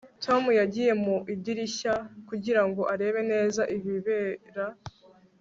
tom yagiye mu idirishya kugirango arebe neza ibibera